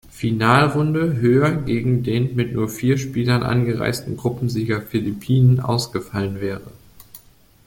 Finalrunde höher gegen den mit nur vier Spielern angereisten Gruppensieger Philippinen ausgefallen wäre.